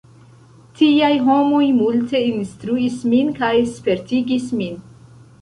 Tiaj homoj multe instruis min kaj spertigis min.